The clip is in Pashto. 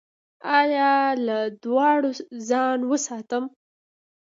ایا له دوړو ځان وساتم؟